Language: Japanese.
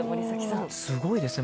すごいですね。